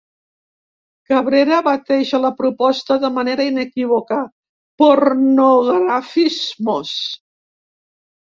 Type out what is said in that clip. Cabrera bateja la proposta de manera inequívoca: «Pornografismos».